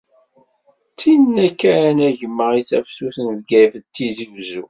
D tinna kan a gma i d tafsut n Bgayet d Tizi Wezzu.